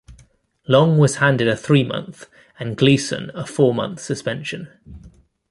Long was handed a three-month and Gleeson a four-month suspension.